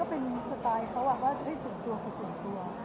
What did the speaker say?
เป็นสไตล์เขาก็ให้ส่วนตัวคือส่วนตัว